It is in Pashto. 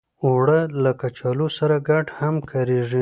اوړه له کچالو سره ګډ هم کارېږي